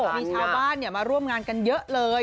มีชาวบ้านมาร่วมงานกันเยอะเลย